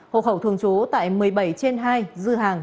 hộ khẩu thường trú tại một mươi bảy trên hai dư hàng